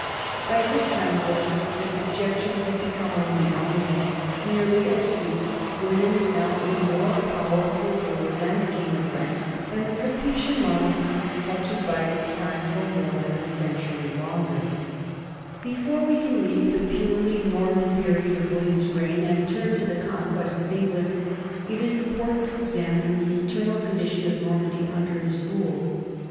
By this time, however, the subjection had become only nominal; merely as duke, William was now a more powerful ruler than the king of France, and the Capetian monarchy had to bide its time for more than a century longer. 66 NORMANS IN EUROPEAN HISTORY Before we can leave the purely Norman period of William's reign and turn to the conquest of England, it is important to examine the internal condition of Nor mandy under his rule.